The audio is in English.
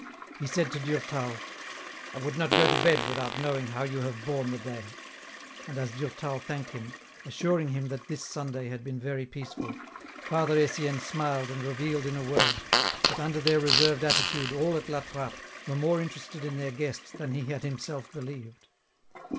He said to Durtal :" I would not go to bed without knowing how you have borne the day ;" and as Durtal thanked him, assuring him that this Sunday had been very peaceful, Father Etienne smiled and revealed in a word, that under their reserved attitude all at La Trappe were more interested in their guest than he had himself believed.